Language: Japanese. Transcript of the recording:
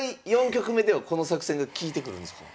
４局目ではこの作戦が利いてくるんですか？